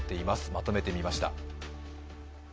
まとめてみました。